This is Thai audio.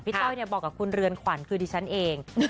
ต้อยบอกกับคุณเรือนขวัญคือดิฉันเอง